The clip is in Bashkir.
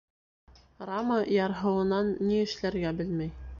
Рама ярһыуынан ни эшләргә белмәй.